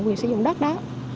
quyền sử dụng đất đó